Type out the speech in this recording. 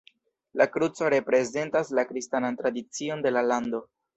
La kruco reprezentas la kristanan tradicion de la lando.